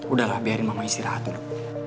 udahlah biarin mama istirahat dulu